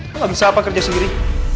lo ga bisa apa kerja sendiri